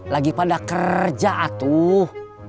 lagi pada kerja tuh